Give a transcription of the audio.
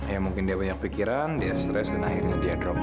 ya mungkin dia banyak pikiran dia stres dan akhirnya dia drop